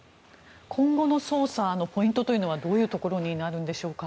今後の捜査のポイントはどういうところになるんでしょうか？